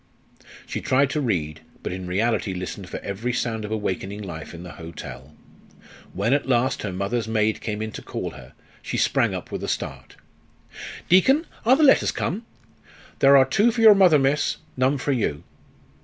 She tried to read, but in reality listened for every sound of awakening life in the hotel. When at last her mother's maid came in to call her, she sprang up with a start. "Deacon, are the letters come?" "There are two for your mother, miss; none for you."